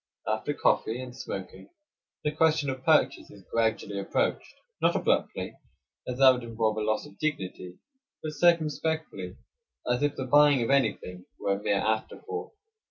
After coffee and smoking the question of purchase is gradually approached; not abruptly, as that would involve a loss of dignity; but circumspectly, as if the buying of anything were a mere afterthought.